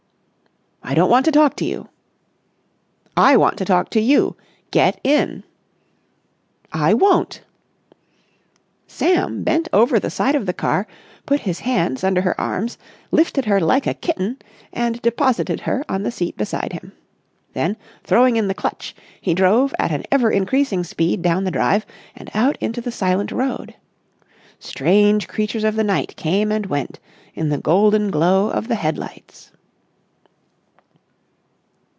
"I don't want to talk to you." "I want to talk to you! Get in!" "I won't." Sam bent over the side of the car, put his hands under her arms, lifted her like a kitten, and deposited her on the seat beside him. Then throwing in the clutch, he drove at an ever increasing speed down the drive and out into the silent road. Strange creatures of the night came and went in the golden glow of the head lights.